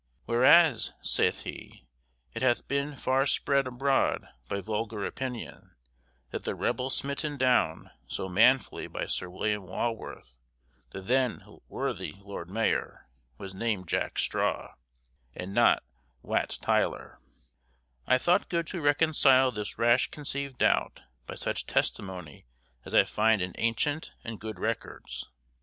"Whereas," saith he, "it hath been far spread abroad by vulgar opinion, that the rebel smitten down so manfully by Sir William Walworth, the then worthy Lord Maior, was named Jack Straw, and not Wat Tyler, I thought good to reconcile this rash conceived doubt by such testimony as I find in ancient and good records.